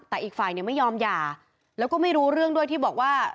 แต่อีกฝ่ายเนี่ยไม่ยอมหย่าแล้วก็ไม่รู้เรื่องด้วยที่บอกว่า